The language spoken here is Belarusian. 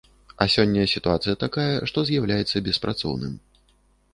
А сёння сітуацыя такая, што з'яўляецца беспрацоўным.